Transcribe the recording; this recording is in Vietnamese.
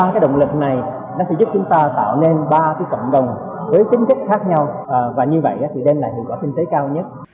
ba cái động lực này sẽ giúp chúng ta tạo nên ba cái cộng đồng với tính thức khác nhau và như vậy thì đem lại hữu quả kinh tế cao nhất